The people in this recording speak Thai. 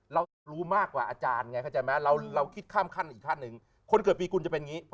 เรารู้มากกว่าอาจารย์ไงเข้าใจไหม